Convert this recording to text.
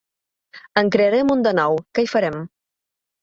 En crearem un de nou, què hi farem.